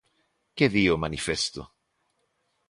Que di o manifesto?